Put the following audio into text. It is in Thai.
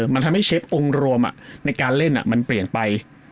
มันทำให้เชฟองค์รวมในการเล่นมันเปลี่ยนไป